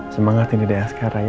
semangatin dede askara ya